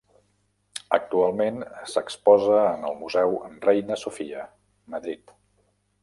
Actualment s'exposa en el Museu Reina Sofia, Madrid.